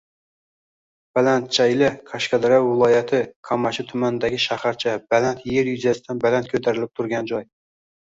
Balandchayla – Qashqadaryo viloyati Qamashi tumanidagi shaharcha. Baland – yer yuzasidan baland ko‘tarilib tugan joy.